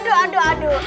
aduh aduh aduh